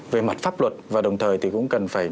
về mặt pháp luật và đồng thời thì cũng cần phải